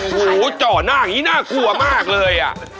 โหจ่อหน้าอย่างนี้น่ากลัวมากเลย